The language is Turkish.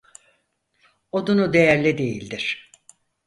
Odunu değerli değildir.